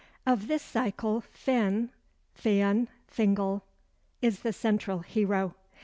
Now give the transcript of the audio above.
Of this cycle Finn (Fionn, Fingal) is the central hero.